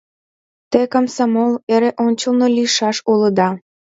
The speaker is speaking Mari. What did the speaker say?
Те, комсомол, эре ончылно лийшаш улыда.